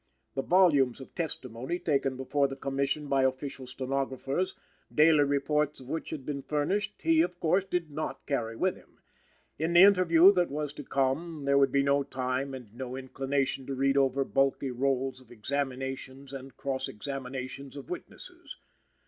The volumes of testimony taken before the Commission by official stenographers, daily reports of which had been furnished, he, of course, did not carry with him. In the interview that was to come, there would be no time and no inclination to read over bulky rolls of examinations and cross examinations of witnesses.